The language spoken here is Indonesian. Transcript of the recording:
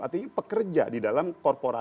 artinya pekerja di dalam korporasi